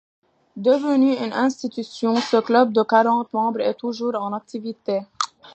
Devenu une institution, ce club de quarante membres est toujours en activité.